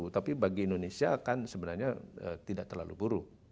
tapi bagi indonesia kan sebenarnya tidak terlalu buruk